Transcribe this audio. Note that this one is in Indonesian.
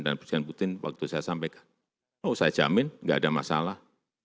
dan presiden putin waktu saya sampaikan oh saya jamin enggak ada masalah